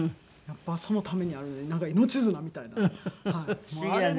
やっぱりそのためにあるなんか命綱みたいなはい。